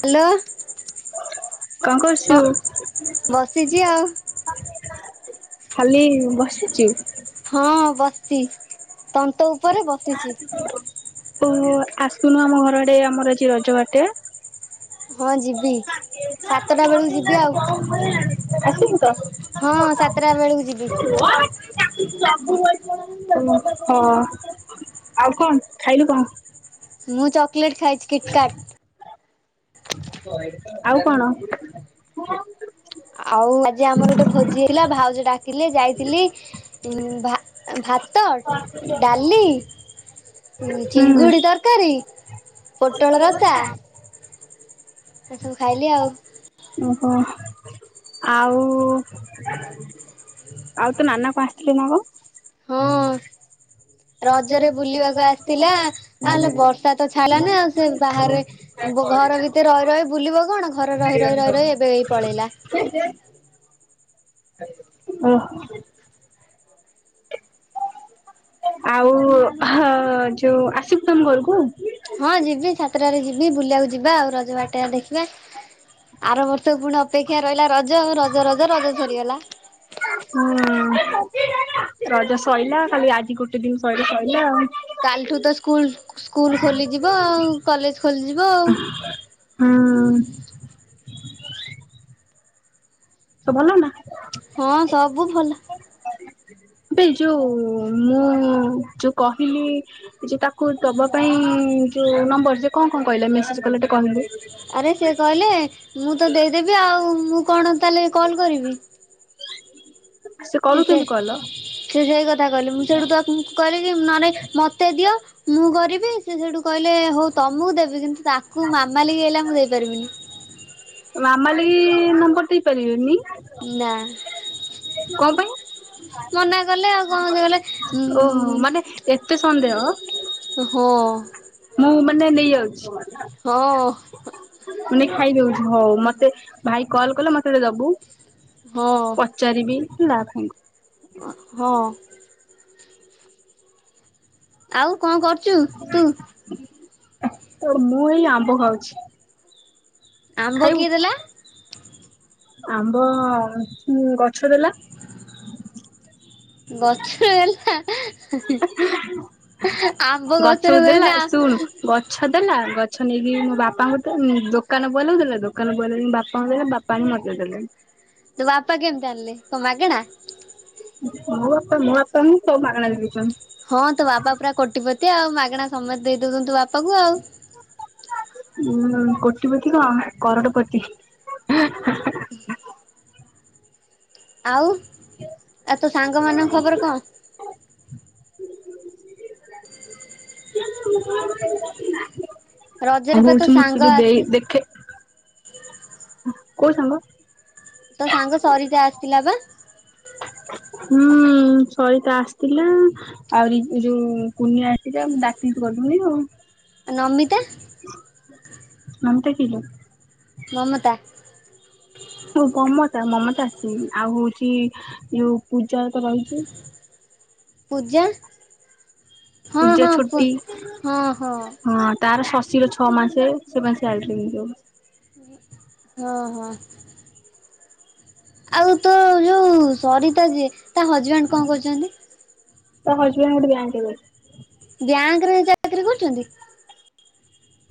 Hello କଣ କରୁଛୁ? କ ବସିଛି ଆଉ। ଖାଲି ବସିଚୁ? ହଁ ବସି ତନ୍ତ ଉପରେ ବସିଛି। ଓହୋ ଆସୁନୁ ଆମ ଘରଆଡେ ଆମର ଆଜି ରଜ ବାଟେ। ହଁ ଯିବି ସା [unintelligible] ହଁ ସାତଟା ବେଳକୁ ଯିବି। ହଁ ଆଉ କଣ ଖାଇଲୁ କଣ? ମୁଁ ଚକୋଲେଟ୍ ଖାଇଛି। କିଟକାଟ ଆଉ କଣ? ଆଉ ଆଜି ଆମର ଗୋଟେ ଭୋଜି ହେଇଥିଲା ଭାଉଜ ଡାକିଲେ ଯାଇଥିଲି ଭା ଭାତ, ଡାଲି, ହୁଁ ଚିଙ୍ଗୁଡ଼ି ତରକାରୀ ପୋଟଳ ରସା ଏସବୁ ଖାଇଲି ଆଉ। ଓ ହୋ ଆଉ ଆଉ ତୋ ନାନା ଆସିଛି ନା କଣ? ହଁ। [inaudible] ରଜରେ ବୁଲିବାକୁ ଆସିଥିଲା ଆ ହେଲେ ବର୍ଷା ତ ଛାଡ଼ିଲ ନା ଆଉ ସେ ବାହାରେ ଘର ଭିତରେ ରହି ରହି ବୁଲିବ କଣ ଘରେ ରହି ରହି ରହି ରହି ଏବେ ହେଇ ପଳେଇଲା। ହେ ହେ। ଉଁ। ଆଉ ହ ଯୋଉ ଆସିବୁ ତମ ଘରକୁ? ହଁ ଯିବି ସତଟାରେ ଯିବି ବୁଲିବାକୁ ଯିବା ଆଉ ରଜ ବାଟଟ ଦେଖିବା। ଆର ବର୍ଷ ପୁଣି ଅପେକ୍ଷା ରହିଲା ରଜ ରଜ ରଜ ରଜ ସରିଗଲା। ହୁଁ ରଜ ସୋଇଲା ଖାଲି ଆଜି ଗୋଟେ ଦିନ ସଇଲେ ସରଲା ଆଉ କାଲିଠୁ ତ ସ୍କୁଲ ସ୍କୁଲ ଖୋଲିଯିବ ଆଉ କଲେଜ ଖୋଲିଯିବ ଆଉ।। ହୁଁ। ତ ଭଲ ନା। ହଁ ସବୁ ଭଲ। ବି ଯୋଉଁ ମୁଁ ଯୋଉ କହିଲି ଯେ ତାକୁ ଦବା ପାଇଁ ଯୋଉ ନମ୍ବର ସେ କଣ କଣ କହିଲା ମେସେଜ କଲେ ଟିକେ କହିବୁ। ଆରେ ସେ କହିଲେ ମୁଁ ତ ଦେଇଦେବି ଆଉ ମୁଁ କଣ ତାହେଲେ କଲ୍ କରିବି। ସେ ସେ କରୁଛନ୍ତି କଲ ସେ ସେଇ କଥା କହିଲେ ମୁଁ ସେଇଠୁ ତୁକୁ କହିଲି ନନେ ମୋତେ ଦିଅ? ମୁଁ କରିବି ସେ ସେଇଠୁ କହିଲେ ହଉ ତମକୁ ଦେବି କିନ୍ତୁ ତାଙ୍କୁ ମାମାଲି କି ହେଲା ମୁଁ ଦେଇ ପାରିବିନି। ମାମାଲି କି ନମ୍ବର ଦେଇପାରିବେନି। ନା।। କଣ ପାଇଁ? ମନା କଲେ ଆଉ କଣ ସେ ଓହୋ ଉଁ ଉଁ। ମାନେ ଏତେ ସନ୍ଦେହ? ଓ ହୋ। ମୁଁ ମାନେ ନେଇଯାଉଛି? ହଁ। ମୁଁ ନେଇକି ଖାଇଦଉଛି ହଉ ମତେ ଭାଇ କଲ କଲେ ମତେ ଟିକେ ଦବୁ। ହଁ। ପଚାରିବି ନାହିଁ। ହଁ। ଆଉ କଣ କରୁଛୁ ତୁ? ମୁଁ ଏଇ ଆମ୍ବ ଖାଉଛି। ଆମ୍ବ ଖାଇବୁ କିଏ ଦେଲା? ଆମ୍ବ ଗଛ ଦେଲା। ଗଛ ଦେଲା ହାଁ ହୁଁ ଆମ୍ବ ଗଛକୁ ଗଛରେ ଦେଲା ହୁଏନି ଶୁଣୁ ଆଉ ଗଛ ଦେଲା ଗଛ ନେଇକି ମୋ ବାପାଙ୍କୁ ଦୋକାନ ବୋଲଉଥିଲା ଦୋକାନ ବଲେଇକ ବାପାଙ୍କୁ ଦେଲା ବାପା ଆଣି ମତେ ଦେଲେ। ତୋ ବାପା କେମିତି ଆଣିଲେ କଣ ମାଗେଣା? ମୋ ବାପା ମୋ ବାପାଙ୍କୁ ସବୁ ମାଗଣା ଦେଇ ଦେଉଛନ୍ତି। ହଁ ତୋ ବାପା ପୁରା କୋଟିପତି ଆଉ ମାଗଣା ସମସ୍ତେ ଦେଇ ଦଉଛନ୍ତି ବାପାଙ୍କୁ ଆଉ ଉ କୋଟିପତି କଣ କରଡ଼ପତି। [inaudible] ଆଉ ଆଉ ତୋ ସାଙ୍ଗମାନଙ୍କ ଖବର କଣ? ରଜରେ ଆଉ ପା ତୋ ହଉଚି ମୁଁତ ସାଙ୍ଗ ଯୋଉ ଆସି ଦେଇ ଦେଖେ କୋଉ ସାଙ୍ଗ? ତା ସାଙ୍ଗ ସରିତା ଆସିଥିଲା ବା? ହୁଁ ସରିତା ଆସିଥିଲା ଆହୁରି ଯୋଉ କୁନିଆ ଆସିଥିଲା ମୁଁ ଡାକିଲି ତୁ ଗଲୁ ନାଇଁ ଆଉ। ନମିତା ନମିତା କିଏ ଲୋ? ମମତା। ଓ ପମତା ମମତା ଆସିନି ଆଉ ହଉଚି ଯୋଉ ପୂଜା ତ ରହିଚି। ପୂଜା ହଁ ପୂଜା ହଁ ପ ଛୋଟି ହଁ ହଁ। ହଁ ତାର ଶଶୀର ଛଅ ମାସେ ସେମାନେ [unintelligible] [inaudible] ଓହୋ। ଆଉ ତ ଯୋଉ ସରିତା ଯିଏ ତା ହଜବେଣ୍ଡ କଣ କରୁଚନ୍ତି? ତା ହଜବେଣ୍ଡ ଗୋଟେ ବ୍ୟାଙ୍କରେ। ବ୍ୟାଙ୍କରେ ଚାକିରି କରିଚନ୍ତି?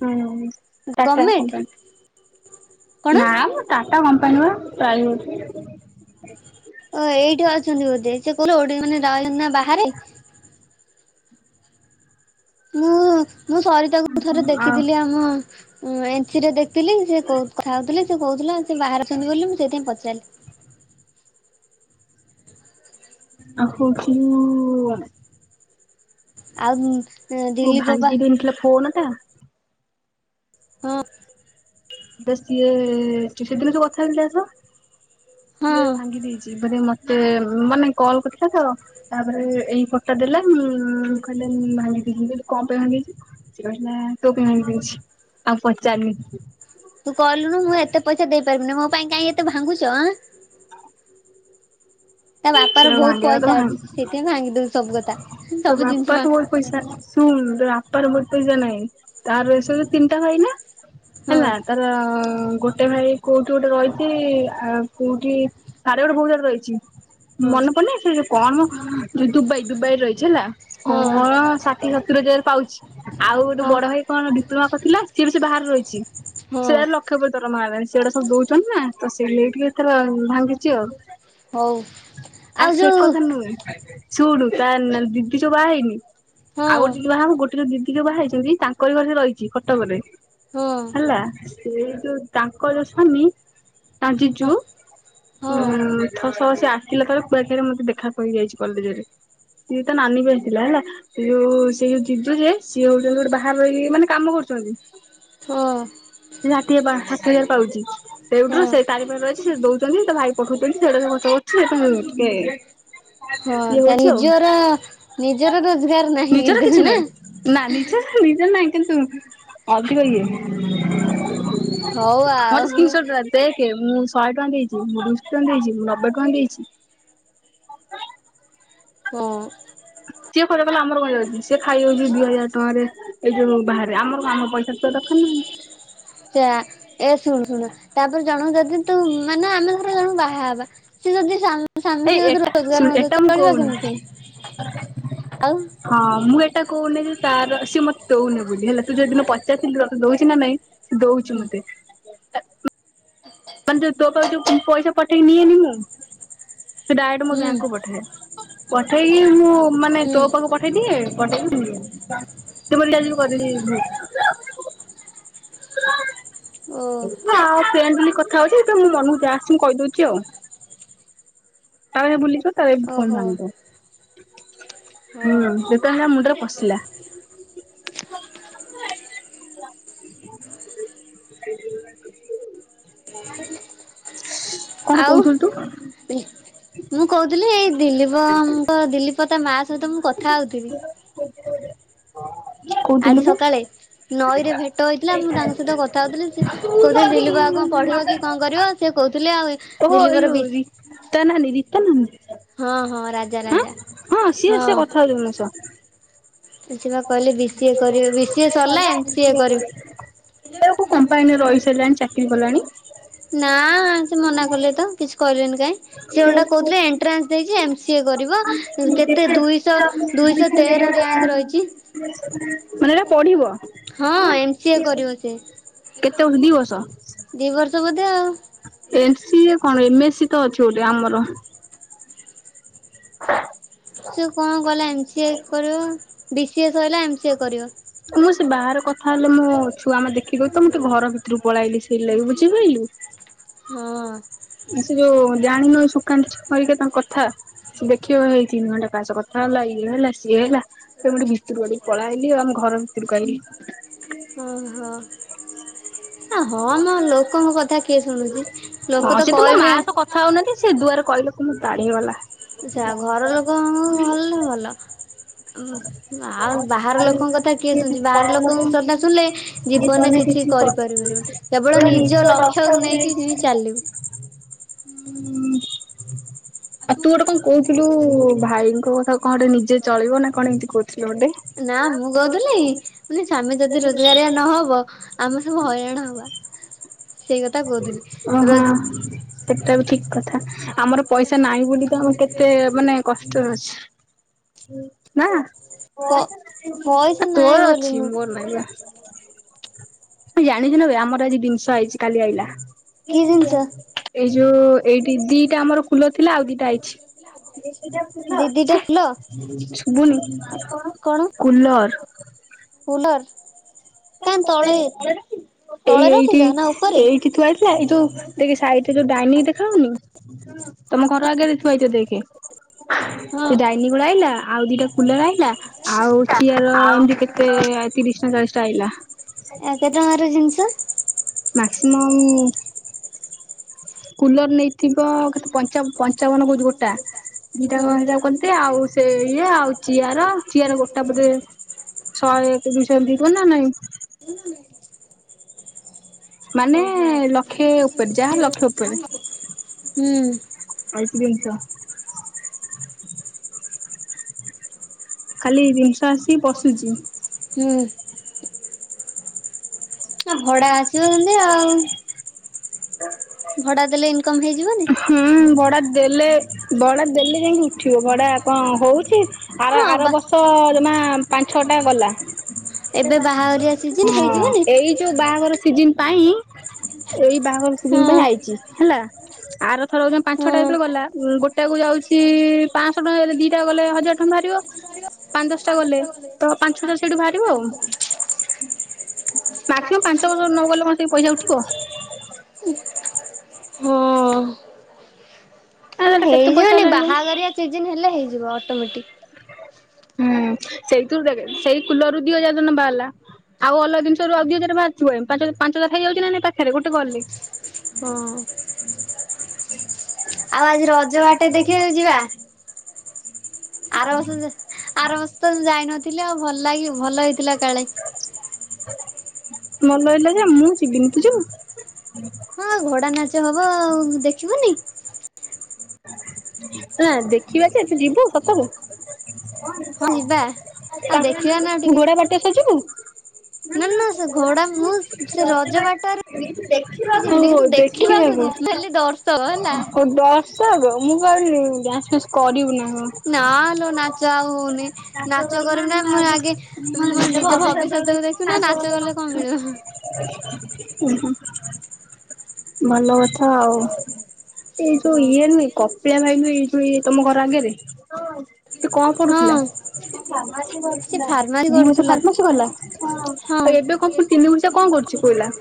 ହୁଁ ଟାଟା ଗଭର୍ଣମେଣ୍ଟ କମ୍ପାନୀ କଣ ନାମ ଟାଟା କମ୍ପାନୀପା ପ୍ରାଇଭେଟ୍ ରେ। ଓ ଏଇଠି ଅଛନ୍ତି ବୋଧେ ସେକୋଉଥିଲେ ଓଡ଼ି ମାନେ ରହିଚନ୍ତି ନା ବାହାରେ। ମୁଁ ମୁଁ ସରିତାଙ୍କୁ ଥରେ ଆ ଆଉ ଦେଖିଥିଲି ଆମ ଉଁ ଏନ୍ ସି ରେ ଦେଖଥିଲି ସେ କୋ କଥା ହଉଥିଲେ ସେ କହୁଥିଲା ସେ ବାହାରେ ଅଛନ୍ତି ବୋଲି ମୁଁ ସେଇଥିାଇଁ ପଚାରିଲି। [unintelligible] ଆଉ ଓ ଦିଲ୍ଲୀ ପପା ଭାଙ୍ଗି ଦେଇନଥିଲା ଫୋନ୍ ଟା ହଁ। ଏବେ ସିଏ ସେଦିନ ଯୋଉ କଥା ହଉନଥିଲି ଯାହା ହଁ ସହ ସିଏ ଭାଙ୍ଗି ଦେଇଚି ମାନେ ମ ତେ ମାନେ କଲ୍ କରିଥିଲା ତ ତାପରେ ଏଇ ଫୋଟଟା ଦେଲା ଉଁ କହିଲେ ମୁ ଭାଙ୍ଗି ଦେଇଚି ମୁଁ କହିଲି କଣପାଇଁ ଭାଙ୍ଗିଦେଇଚ? ସେ କହିଲା ତୋ ପାଇଁ ଭାଙ୍ଗିଦେଇଚି ଆଉ ପଚାରିନି। ତୁ କହିଲୁନୁ ମୁଁ ଏତେ ପଇସା ଦେଇପାରିବିନି ମୋ ପାଇଁ କାଇଁ ଏତେ ଭାଙ୍ଗୁଚ ଆଃ। ତା ବାପ ର ସେ ବହୁତ୍ ଭାଙ୍ଗିବା କଥା ପଇସା ଅଛି ଭାଙ୍ଗି ସେଥିପାଇଁ ଭାଙ୍ଗିଦଉଚି ସବୁ କଥା ତୋ ସବୁ ଜିନିଷ ବାପାର ଭା ମୋର ପଇସା ଶୁଣୁ ବାପାର ବହୁତ୍ ପଇସା ନାହିଁ ତାର ସେ ସବୁ ତିନିଟା ଭାଇ ନା ହଁ ହେଲା ତାର ଗୋଟେ ଭାଇ କୋଉଠି ଗୋଟେ ରହିଚି ଆ କୋଉଠି ତାର ଗୋଟେ ଭୋଉଣୀ ଘରେ ରହିଚୀ ହଁ ମନେ ପଡ଼ୁନି ସେ କଣମ ଯୋଉ ଦୁବାଇ ଦୁବାଇରେ ରହିଚି ହେଲା ହଁ କଣ ସା ଷାଠିଏ ସତୁରି ହଜାର ପାଉଚି ଆଉ ଗୋଟେ ହଁ ବଡ଼ ଭାଇ କଣ ଡିପ୍ଲୋମା କରିଥିଲା ସିଏବି ସେ ବାହାରେ ରହିଚି। ହଁ ସେଆରେ ଲକ୍ଷ ଉପରେ ଦରମା ହେଲାଣି ସେଉଡ଼ା ସବୁ ଦଉଚନ୍ତିନା ତ ସିଏ ଲେଇଠି ଏଥର ଭାଙ୍ଗିଚି ଆଉ। ହଉ ଆ ଆଉ ଯୋଉ ସେକଥା ନୁହେଁ ଶୁଣୁ ତା ନା ଦିଦି ଯୋଉ ବାହା ହେଇନି ଆଉ ହଁ ଗୋଟେ ଯିଏ ବାହାହବ ଗୋଟେ ଦିଦି ଯୋଉ ବାହା ହେଇଛନ୍ତି ତାଙ୍କର ଘରେ ରହିଚି କଟକ ରେ। ହଁ ହେଲା ସେ ଯୋଉ ତାଙ୍କ ଯୋ ସ୍ୱାମୀ ତାଙ୍କ ହଁ ଜିଜୁ ହଁ ଉଁ ଥଶହ ସେ ଆସିଥିଲେ ଥରେ କୁଆଖିଆରେ ମତେ ଦେଖା କରିକିଯାଇଛି କଲେଜରେ। ଉ ତା ନାନୀ ବି ଆସିଥିଲା ହେଲା ସେଯୋଉ ସେଇ ଯୋଉ ଜିଜୁ ଯେ ସିଏ ହଉଛନ୍ତି ଗୋଟେ ବାହାରେ ରହିକି ମାନେ କାମ କରୁଚନ୍ତି ହଁ। ସିଏ ଷାଠିଏ ବାଷାଠିଏଜାର ପାଉଚି। ସେଇଠୁରୁ ହଁ ସେଇ ତାରି ପାଖରେ ରହିଚି ସେ ଦଉଚନ୍ତି ତା ଭାଇ ପଠଉଛନ୍ତି ସେଉଡ଼ା ସବୁ ଖର୍ଚ୍ଚ କରୁଚି ଏଟା କେ ହଁ ତା ନିଜର ନିଜର ରୋଜଗାର ନାହିଁ ନିଜର କିଛି କିନ୍ତୁ ନାହିଁ ନା। ନା ନିଜ ନିଜର ନାଇଁ କିନ୍ତୁ ଅଧିକ ଇଏ ମତେ ହଉ ସ୍କ୍ରିନ୍ ଆଉ ସଟ୍ ଦେ ଦେଖେ ମୁଁ ସହେଟଙ୍କା ଦେଇଚି ମୁଁ ଦୁଇଶହ ଟଙ୍କା ଦେଇଚି ମୁଁ ନବେ ଟ କଣ ଦେଇଚି କା। ସିଏ ଖର୍ଚ କଲେ ଆମର କଣ ଯାଉଛି ସିଏ ଖାଇ ଯାଉଛି ଦି ହଜାର ଟଙ୍କାରେ ଏଇ ଯୋଉ ବାହାରେ ଆମର କଁ ଆମର ପଇସା ଥିବା ଦରକାର ନା ଆଉ। ସେୟା ଏ ଶୁଣୁ ଶୁଣୁ ତାପରେ ଜଣୁକୁ ଯଦି ତୁ ମାନେ ଆମେ ଧର ଜଣୁକୁ ବାହା ହବା। ସିଏ ଯଦି ସ୍ବାମି ସ୍ଵାମି ଏଇ ସିଏ ଯଦି ଏଟା ଶୁଣୁ ରୋଜଗାର ନ ଏଟା ଦଉଚି ମୁଁ ଚଳିବା କହୁନି କେମିତି ଆଉ। ହଁ ମୁଁ ଏଟା କହୁନି ଯେ ତାର ସିଏ ମତେ ଦଉନି ବୋଲି ହେଲା ତୁ ଯୋଉଦିନ ପଚାରିଥିଲୁ ତତେ ଦଉଛି ନା ନାଇଁ। ସିଏ ଦଉଛିୁ ମତେ। ମାନେ ଯୋଉ ତୋ ପାଖକୁ ଯୋଉ ପଇସା ପଠେଇକି ନିଏନି ମୁଁ ସେ ଡାଇରେକ୍ଟ ମୋ ହୁଁ ବ୍ୟାଙ୍କକୁ ପଠାଏ। ପଠେଇକି ମୁଁ ମାନେ ହୁଁ ତୋ ପାଖକୁ ପଠେ ପଠେଇ ଦିଏ ପଠେଇ କି [inaudible] ଓ ହଁ ଫ୍ରେଣ୍ଡ ଲି କଥ କଥାହଉଛି ଯେତେବେଳେ ମୋ‌ ମନକୁ ଯା ଆସୁଛି ମୁଁ କହିଦଉଛି ଆଉ। ତାରପରେସ ତୁଲୀ ଯିବ ତା ପରେ ଏ ଫୋନ‌ ଓହୋ ଭାଙ୍ଗିଦବ। ହୁଁ ଯେତେ ବେଳେ ଯା ମୁଣ୍ଡରେ ପଶିଲା। [unintelligible] କଣ ଆଉ କହୁ ଥିଲୁ ତୁ। ମୁଁ କହୁଥିଲି ଏଇ ଦିଲୀପଙ୍କ ଦିଲୀପ ତା ମା ସହିତ ମୁଁ କଥା ହଉଥିଲି। [unintelligible] କହୁଥିଲୁ ଆଜି ବା ସକାଳେ। ନଈରେ ଭେଟ ହେଇଥିଲା ମୁଁ ତାଙ୍କ ସହିତ କଥା ହଉଥିଲି ସେ କହୁଥିଲେ ଦିଲୀପ ଆଉ କଣ ପଢିବ କି କଣ କରିବ। ସିଏ କହୁଥିଲେ ଆଉ। ଓ ଏଇ ଦିଲୀପର ଯୋଉ ବି ରୀତା ନାନୀ ରୀତା ନାନୀ। ହଁ ହଁ ରାଜା ହଁ ରାଜା ସିଏ ହଁ। ସିଏ କଥା ହେଇଛନ୍ତି ମୋ ଶହ। ସିଏ ବା କହିଲି ବି ସି ଏ କରିବ ବି ସି ଏ ସରିଲା ଏମ ସି ଏ କରିବ। ସେ ବା କୋଉ କମ୍ପାନୀରେ ରହି ସାଇଲାଣି ଚାକିରି କଲାଣି। ନାଁ ସେ ମନା କଲେ ତ କିଛି କଇଲେନି କାଇଁ। ସିଏ ଓଲ୍ଟା କହୁଥିଲେ ଏଣ୍ଟ୍ରାନ୍ସ ଦେଇଛି ଏମ୍ ସି ଏ କରିବ। କେତେ ଦୁଇଶ ଦୁଇଶ ତେର ରିୟାଙ୍କ ରହିଛି। ମାନେ ଏଇନା ପଢିବ। ହଁ ଏମ ସିଏ କରିବ ସେ କେତେ ବର୍ଷ ଦିି ବର୍ଷ। ଦି ବର୍ଷ ବୋଧେ ଆଉ। ଏମ୍ ସି ଏ କଣ ଏମ୍ ଏ ସି ତ ଅଛି ଗୋଟେ ଆମର। ସିଏ କଣ କଇଲା ଏମ୍ ସି ଏ କରିବ ବି ସି ଏ ସରିଲା ଏମ୍ ସି ଏ କରିବ। ମୁଁ ସେ ବାହାରେ କଥା ହେଲେ ମୋ ଛୁଆ ମା ଦେଖି ଦଉଚି ତ ମୁଁ ଟିକେ ଘର ଭିତରୁକୁ ପଳେଇ ଆଇଲି ସେଇ ଲାଗି ‌ ବୁଝି ପାଇଲୁ। ହଁ। ସେ ଯୋଉ ଜାଣିନୁ ସୁକାନ୍ତି ଛୋପରିଙ୍କ ତାଙ୍କ କଥା ସେ ଦେଖିବ ହେଇ ତିନି ଘଣ୍ଟା କାହା ସହ କଥା କଥା ହେଲା ଇଏ ହେଲା ସିଏ ହେଲା ସେ ମୁଁ ଟିକେ ଭିତର ଆଡୁ କୁ‌ ପଳେଇ ଆମ ଘର ଭିତରକୁ ଆଇଲି। ଓ ହୋ ‌ ହେ ହଁ ମ ଲୋକଙ୍କ କଥା କିଏ ଶୁଣୁଛି ହଁ ଲୋକ ତ ସେ ମୋ ମା କହିବେ। ସହ କଥା ହଉନ କି ସେ ଦୁଆରେ କହିଲେ କଁ ମୋର ତାଡି ହେଇ ଗଲା। ସେୟା ଘର ଲୋକ ଙ୍କୁ ଭଲ ଭଲ। ଉଁ ଆଉ ବାହାର ଲୋକଙ୍କ କଥା କିଏ ଶୁଣିଛି ବାହାର ଲୋକଙ୍କ ସଦା ଶୁଣିଲେ। ଜୀବନ ରେ କିଛି କରି ପାରିବୁନ କେବଳ ନିଜ ଲକ୍ଷ୍ୟକୁ ନେଇକି ନିଯେ ଚାଲିବୁ। ହୁଁ। ଆଉ ତୁ ଗୋଟେ କଣ କହୁଥିଲୁ ଭାଇଙ୍କ କଥା କଣ ଗୋଟେ ନିଜେ ଚଳିବ ନା କଣ ଏମିତି କହୁଥିଲୁ ଗୋଟେ। ନା ମୁଁ କହୁଥିଲି ମାନେ ସ୍ବାମି ଯଦି ରୋଜ ଗାରିଆ ନହବ ଆମେ ସବୁ ହଇରାଣ ହବା। ସେଇ କଥା କହୁଥିଲି। ଓ ରୋ ହଁ ସେଟା ବି ଠିକ୍ କଥା। ଆମର ପଇସା ନାହିଁ ବୋଲି ତ ଆମ କେତେ ମାନେ କଷ୍ଟରେ ଅଛୁ। ନା। ପ ପଇସା ନାହିଁ ତୋର ବୋଲି ଅଛି, ନୁହଁ ମୋର ନାଇଁ ବା। ଜାଣିଛୁ ନା ବେ ଆମର ଆଜି ଦିନିଷ ଆଇଛି। କାଲି ଆଇଲା। କି ଜିନିଷ ଏଇ ଯୋଉ ଏଇଠି ଦିଟା ଆମର ଖୁଲ ଥିଲା, ଆଉ ଦିଟା ଆଇଛି। ଦି ଦିଟା ଫୁଲ ଶୁଭୁନି? କୁଲର୍। କୁଲର୍। ଏଇ ତଳେ ଏଇଠି ରଖିଛ ନା ଉପରେ ଏଇଠି ଥୁଆ ହେଇଥି ନହେଲା ଏଇ ଯୋଉ ଦେଖ୍ ସାଇଟ୍ ରେ ଯୋଉ ଡାଇନିଙ୍ଗ୍ ଦେଖା ହଉନି, ତମ ଘର ଆଗରେ ଥୁଆହେଇଥିବ ଦେଖେ। ହଁ ସେ ଡାଇନିଂ ଗୁଡା ଆଇଲା। ଆଉ ଦିଟା କୁଲର ଆଇଲା, ଆଉ ଚିୟାର ଏମିତି କେତେ ତେ ଆଇ ତିରିଶ ନା ଚାଳିଶ ଟା ଆଇଲା। ଏୟା କେତେ ଟଙ୍କାର ଜିନିଷ? ମ୍ୟାକ୍ସିମମ୍-ମ କୁଲର ନେଇଥିବ-ଅ କେତେ, ପଞ୍ଚା ପଞ୍ଚାବନ କହୁଛି ଗୋଟା। ଦିଟା ଓହୋ କ ହେଇଟା କୁ କହନ୍ତି ଆଉ ସେ ଇଏ, ଆଉ ଚିଆର ଚିଆର ଗୋଟା ବୋଧେ ଶହେ ଏକ ଦୁଇ ଶହ ଏମିତି ହେଇଥିବ ନା ନାଇଁ। [inaudible] ହୁଁ ମାନେ-ଏ ଲକ୍ଷେ ଉପରେ, ଯାହା ଲକ୍ଷେ ଉପରେ। ହୁଁ। ଆଇକି ଜିନିଷ। ଖାଲି ଜିନିଷ ଆସିକି ପଶୁଚି। ହୁଁ। ଆ ଭଡା ଆସିବ ସେମିତି ଆଉ। ଭଡା ଦେଲେ ଇନ୍କମ୍ ହେଇଯିବନି। ହୁଁ, ଭଡା ଦେଲେ, ଭଡା ଦେଲେ ଯାଇକି ଉଠିବ। ଭଡା କଣ ହଉଛି? ଆର ହଁ ଆର ବା ବର୍ଷ ଜମା ପାଞ୍ଚ ଛଅଟା ଗଲା। ଏବେ ବାହାଘରିଆ ସିଜିନ ହୁଁ, ହେଇଯିବନି ଏଇ ଯୋଉ ବାହାଘର ସିଜିନ୍ ପାଇଁ, ଏଇ ବାହାଘର ସିଜିନ୍ ପାଇଁ ହଁ ଆଇଛି ହେଲା। ଆର ଥର ହଉ ପାଞ୍ଚଛଟା ହଁ ଯେତେବେଳେ ଗଲା, ଗୋଟା କୁ ଯାଉଛି, ପାଁ ଶହ ଟଙ୍କାରେ ଦିଟା ଗଲେ ହଜାର ଟଆଁ ବାହାରିବ, ପାଞ୍ଚ ଦଶଟା ଗଲେ ତ, ପାଞ୍ଚ ଛ ହଜାର ସେଇଠୁ ବାହାରିବ ଆଉ। ମାକ୍ସିମମ୍ ପାଞ୍ଚ ବର୍ଷ ନ ଗଲେ, କଣ ସେ ପଇସା ଉଠିବ? ହଁ। ଆଁ ଏଟା କେତ୍ ଇଏମାନେ ବାହାଘରିଆ ଚିଯିନ ହେଲେ, ହେଇଯିବ ଅଟୋମେଟିକ୍। ହୁଁ, ସେଇଥିରୁ ଦେଖେ, ସେଇ କୁଲରରୁ ଦି ହଜାର ଟନା ବାହାରିଲା। ଆଉ ଅଲଗା ଜିନିଷରୁ ଆଉ ଦି ହଜାର ବାହାରିଥିବ ପାଞ୍ଚ ପାଞ୍ଚ ହଜାର ହେଇଯାଉଛି [inaudible] ହଁ। ଆଉ ଆଜି ରଜ ବାଟ [unintelligible] ଯିବା। ଆର ବର୍ଷ ଯ, ଆର ବର୍ଷ ତ ଯାଇନଥିଲି ଆଉ, ଭଲ ଲାଗି ଭଲ ହେଇଥିଲା କାଳେ। ଭଲ ହେଇଥିଲା ଯେ, ମୁଁ ଯିବିନି। ତୁ ଯିବୁ? ହଁ, ଘୋଡା ନାଚ ହବ ଆଉ। ଦେଖିବୁନି? ନା, ଦେଖିବା ଯେ, ତୁ ଯିବୁ ସତରେ! ହଁ ଯିବା ଆଉ ତା ଦେଖିବା ନା ଟିକେ ଘୋଡ଼ା ବାଟ ସଜିବୁ। ନା, ନା, ସେ ଘୋଡା ମୁଁ ସେ ରଜ ବାଟରେ ଯିବିନି ଓହୋ! କିନ୍ତୁ ଦେଖିବାକୁ, ଯିବି ମୁଁ ହେଲି ଦର୍ଶକ ହେଲା ହଉ ଡଷ୍ଟ ସଗୋ, ମୁଁ କଇଲି ଡ୍ୟାନ୍ସ୍ ଫ୍ୟାନ୍ସ କରିବୁ ନା କଣ? ନା-ଆ ଲୋ! ନାଚ ଆଉ ହଉନି। ନାଚ କରିବି ନା, ମୁଁ ଆଗେ ମୋ ନିଜ ଭବିଷ୍ୟତକୁ ଦେଖିବି ନା, ନାଚ କଲେ କଣ ମିଳିବ? ଉ ହୁଁ, ଭଲ କଥା ଆଉ। ଏଇ ଯୋଉ ଇଏ ନୁହେଁ, କପ୍ ପିଆ ଭାଇ ନୁହେଁ, ଏଇଯୋଉ ଇଏ ତମ ଘର ଆଗରେ। ସେ କଣ ପଢୁଥିଲା? ହଁ ସେ ଫାର୍ମାସି ଦି ବର୍ଷ କରୁଥିଲା ଫାର୍ମାସି କଲା। ହଁ ଆ ଏବେ କଣ ପୁଣି ତିନି ବର୍ଷ ସେ କଣ କରୁଛି କୋଇଲା?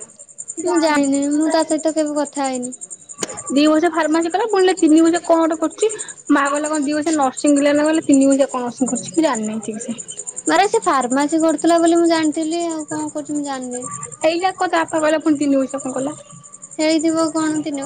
ମୁଁ ଜାଣି ମୁଁ ତା ସହିତ କେବେ କଥା ହେଇନି। [inaudible] [inaudible] ମାନେ ସେ ଫାର୍ମାସି କର୍ଥୁଲା ବୋଲି ମୁଁ ଜାଣ୍ ଥିଲି, ଆଉ କ'ଣ କରୁଚି ମୁଁ ଜା--ନି। ଏଇଟା କ ତା ବାପା କହିଲା ପୁଣି ତିନି ବର୍ଷିଆ କଣ କଲା? [unintelligible]